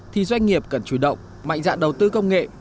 thì doanh nghiệp cần chủ động mạnh dạn đầu tư công nghệ